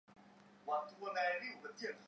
正副州长不在同一张选票上选举。